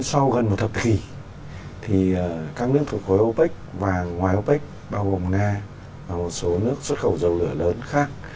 sau gần một thập kỷ thì các nước thuộc khối opec và ngoài opec bao gồm nga và một số nước xuất khẩu dầu lửa lớn khác